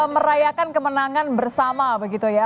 merayakan kemenangan bersama begitu ya